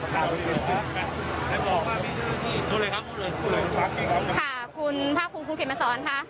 ค่ะคุณพระครูคุณเถมสอนค่ะ